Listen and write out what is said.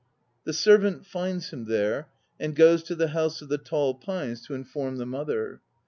The servant finds him there and goes to the House of the Tall Pines to inform the mother.